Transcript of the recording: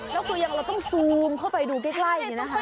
แล้วคือยังเราต้องซูมเข้าไปดูใกล้เนี่ยนะคะ